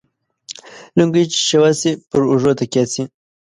لنگۍ چې شوه سي ، پر اوږو تکيه سي.